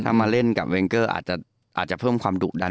ถ้ามาเล่นกับเวงเกอร์อาจจะเพิ่มความดุดัน